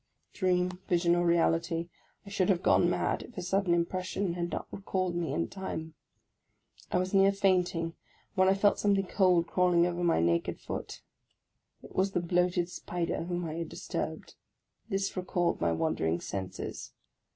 Dream, vision, or reality, I should have gone mad if a sud den impression had not recalled me in time. I was near fainting, when I felt something cold crawling over my naked foot. It was the bloated spider, whom I had disturbed. This recalled my wandering senses.